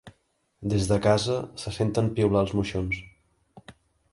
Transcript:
Des de casa se senten piular els moixons.